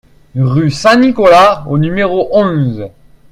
Rue Saint Nicolas au numéro onze